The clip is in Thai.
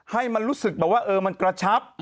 ให้มันรู้สึกแบบว่ามันกระชับ